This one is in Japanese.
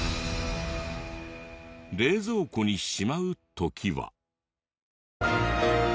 冷蔵庫にしまう時は。